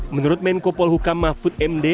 menurut menkopol hukam mahfud md